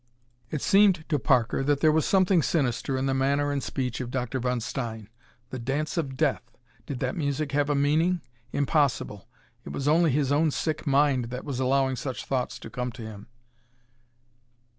It seemed to Parker that there was something sinister in the manner and speech of Dr. von Stein. The Dance of Death! Did that music have a meaning? Impossible! It was only his own sick mind that was allowing such thoughts to come to him.